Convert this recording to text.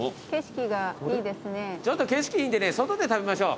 ちょっと景色いいんでね外で食べましょう。